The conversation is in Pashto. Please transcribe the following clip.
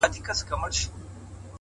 ژوند ته مې وهڅوه مينې مهربانه اوسه